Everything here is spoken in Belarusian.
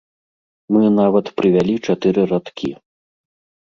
Мы нават прывялі чатыры радкі.